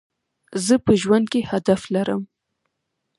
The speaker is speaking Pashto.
زه په ژوند کي هدف لرم.